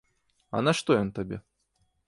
А нашто ён табе?